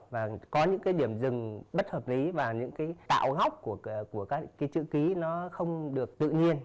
và có những cái điểm dừng bất hợp lý và những cái tạo góc của các cái chữ ký nó không được tự nhiên